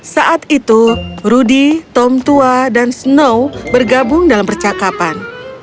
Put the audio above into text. saat itu rudy tom tua dan snow bergabung dalam percakapan